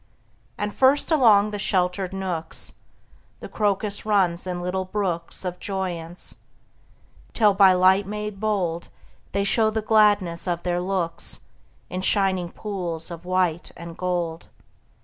And first, along the sheltered nooks, The crocus runs in little brooks Of joyance, till by light made bold They show the gladness of their looks In shining pools of white and gold.